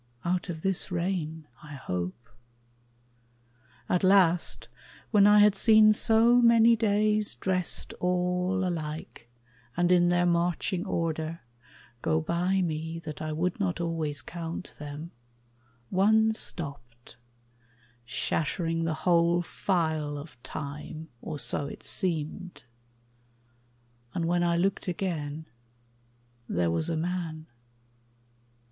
Out of this rain, I hope. At last, when I had seen so many days Dressed all alike, and in their marching order, Go by me that I would not always count them, One stopped shattering the whole file of Time, Or so it seemed; and when I looked again, There was a man.